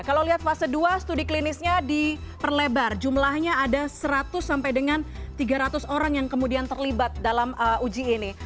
kalau lihat fase dua studi klinisnya diperlebar jumlahnya ada seratus sampai dengan tiga ratus orang yang kemudian terlibat dalam uji ini